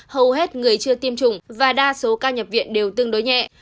hầu hết người chưa tiêm chủng và đa số ca nhập viện đều tương đối nhẹ